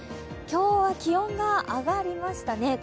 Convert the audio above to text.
今日は気温が上がりましたね。